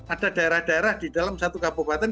ada daerah daerah di dalam satu kabupaten